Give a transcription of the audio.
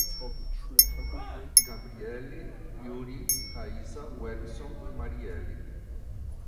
Gabriely, Iury, Raiza, Welison e Marieli